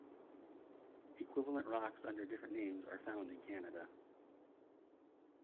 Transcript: Equivalent rocks under different names are found in Canada.